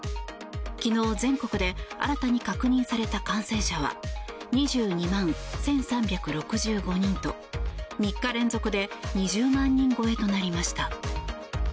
昨日全国で新たに確認された感染者は２２万１３６５人と３日連続で２０万人超えとなりました。